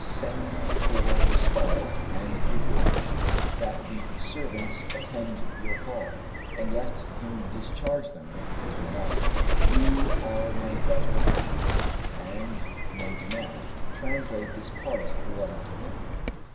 Send for Gasparo; and give your orders, that the servants attend your call: and let him discharge them, if they do not. You are my better half, and may command. Translate this part of the letter to him.